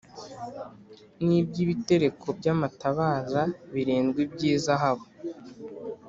n’iby’ibitereko by’amatabaza birindwi by’izahabu.